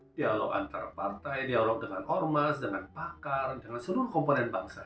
dialog antar partai dialog dengan ormas dengan pakar dengan seluruh komponen bangsa